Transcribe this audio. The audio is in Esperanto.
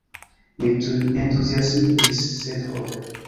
Mi tuj entuziasmiĝis; sed, ho ve!